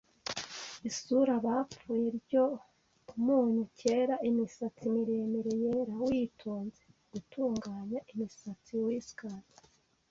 Isura bapfuye ryo umunyu kera imisatsi miremire yera witonze gutunganya imisatsi whiskers,